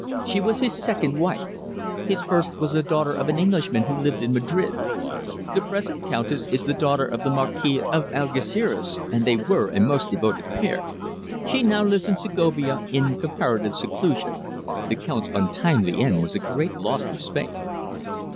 She was his second wife. His first was the daughter of an Englishman who lived in Madrid. The present countess is the daughter of the Marquis Avellanosa of Algeciras, and they were a most devoted pair. She now lives in Segovia in comparative seclusion. The count's untimely end was a great loss to Spain."